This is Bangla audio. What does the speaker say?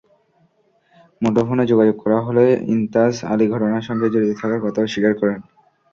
মুঠোফোনে যোগাযোগ করা হলে ইন্তাজ আলী ঘটনার সঙ্গে জড়িত থাকার কথা অস্বীকার করেন।